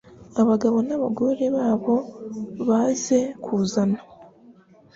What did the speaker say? abagabo n'abagore babo baze kuzana